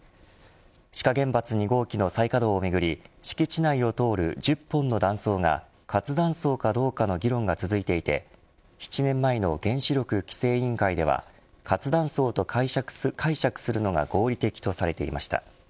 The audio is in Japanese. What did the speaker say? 志賀原発２号機の再稼働をめぐり敷地内を通る１０本の断層が活断層かどうかの議論が続いていて７年前の原子力規制委員会では活断層と解釈するのが合理的とされていました。